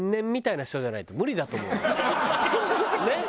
ねっ？